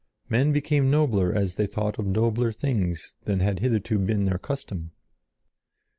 Men became nobler as they thought of nobler things than had hitherto been their custom.